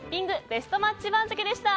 ベストマッチ番付でした。